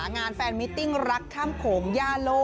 งานแฟนมิติ้งรักข้ามโขงย่าโล